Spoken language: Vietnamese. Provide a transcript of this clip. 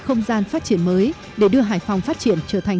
không gian phát triển mới để đưa hải phòng phát triển trở thành